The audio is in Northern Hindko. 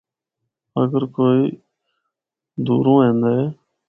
اگر کوئی دُوروں ایندا اے۔